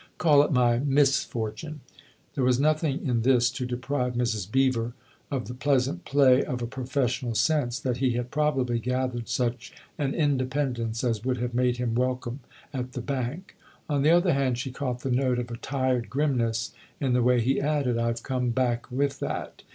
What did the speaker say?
" Call it my /w/sfortune !" There was nothing in this to deprive Mrs. Beever of the pleasant play of a professional sense that he had probably gathered such an inde pendence as would have made him welcome at the Bank. On the other hand she caught the note of a tired grimness in the way he added :" I've come back with that.